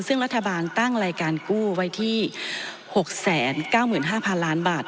ซึ่งรัฐบาลตั้งรายการกู้ไว้ที่๖๙๕๐๐ล้านบาท